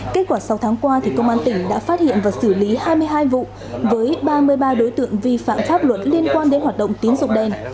kết quả sáu tháng qua công an tỉnh đã phát hiện và xử lý hai mươi hai vụ với ba mươi ba đối tượng vi phạm pháp luật liên quan đến hoạt động tín dụng đen